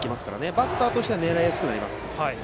バッターとしては狙いやすくなります。